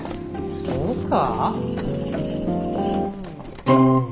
そうすか？